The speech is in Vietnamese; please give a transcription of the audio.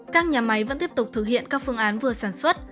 các nhà máy vẫn tiếp tục thực hiện các phương án vừa sản xuất